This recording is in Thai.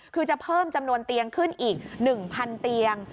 คือจะเพิ่มจำนวนเตียงขึ้นอีก๑๐๐เตียง